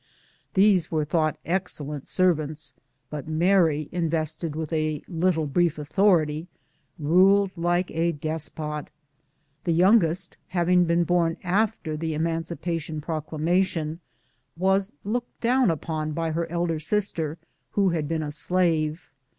These were thought excellent servants, but Mary, invested with a " little brief author ity," rnled like a despot. The youngest having been born after the emancipation proclamation, was looked down upon by her elder sister, who had been a slave.